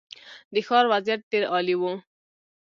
د ښار وضعیت ډېر عالي و.